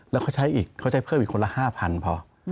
แล้วเขาใช้เพิ่มอีกคนละ๕๐๐๐พอ